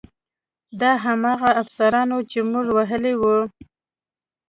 دا هماغه افسران وو چې موږ وهلي وو